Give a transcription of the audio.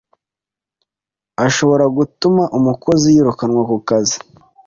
ashobora gutuma umukozi yirukanwa ku kazi